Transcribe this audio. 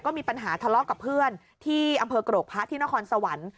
ก็มีปัญหาทะเลาะกับเพื่อนที่อำเภอกรกพระที่นครสวรรค์